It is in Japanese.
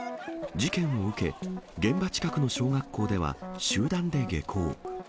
事件を受け、現場近くの小学校では、集団で下校。